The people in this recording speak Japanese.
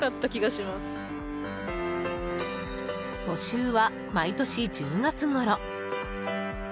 募集は毎年１０月ごろ。